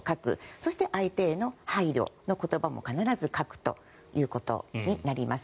そして、相手への配慮の言葉も必ず書くということになります。